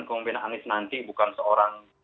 kongbena anis nanti bukan seorang